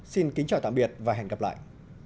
xin kính chào tạm biệt và hẹn gặp lại